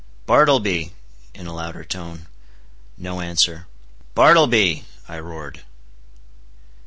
"Bartleby," in a louder tone. No answer. "Bartleby," I roared.